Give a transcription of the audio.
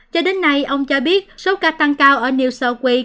cho đến nay ông cho biết số ca tăng cao ở new south way